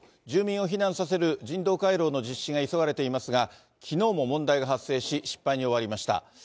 住民を避難させる人道回廊の実施が急がれていますが、きのうも問題が発生し、失敗に終わりました。